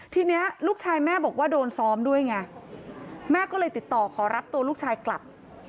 ทีนี้ลูกชายแม่บอกว่าโดนซ้อมด้วยไงแม่ก็เลยติดต่อขอรับตัวลูกชายกลับ